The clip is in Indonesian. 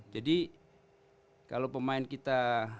jadi kalau pemain kita